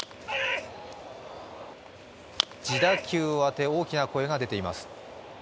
自打球を当て大きな声が出ています。